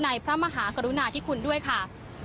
พระมหากรุณาธิคุณด้วยค่ะ